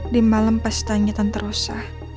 di malem pas tanya tentang rosa